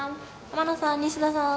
天野さん西田さん。